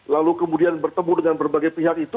lalu kemudian bertemu dengan berbagai pihak itu